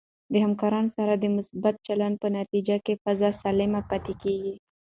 د همکارانو سره د مثبت چلند په نتیجه کې فضا سالمه پاتې کېږي.